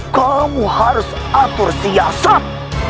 kamu harus atur siasat